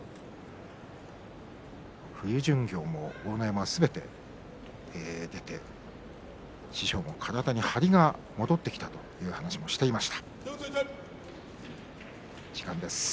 冬巡業も豪ノ山はすべて出て師匠は体に張りが戻ってきたと話していました。